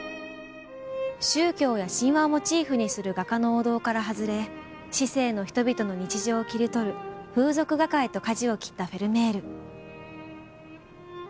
宗教や神話をモチーフにする画家の王道から外れ市井の人々の日常を切り取る風俗画家へと舵を切ったフェルメール。